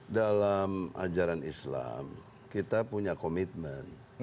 dalam ajaran islam kita punya komitmen